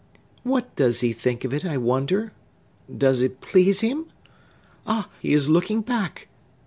"What does he think of it, I wonder? Does it please him? Ah! he is looking back!"